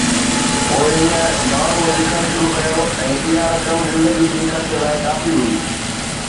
پوءِ هن ڊان ۾ لکڻ شروع ڪيو ۽ اها رقم زندگي جي خرچ لاءِ ڪافي هئي.